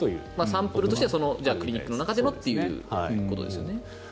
サンプルとしてクリニックの中でのってことですよね。